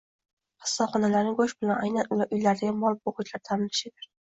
— qassobxonalarni go‘sht bilan aynan uylarda mol boquvchilar ta’minlashar edi.